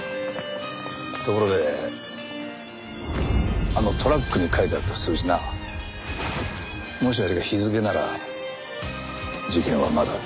ところであのトラックに書いてあった数字なもしあれが日付なら事件はまだ。